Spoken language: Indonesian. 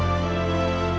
aku akan selalu mencintai kamu